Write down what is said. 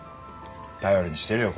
頼りにしてるよ